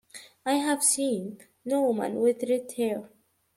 I have seen no woman with red hair.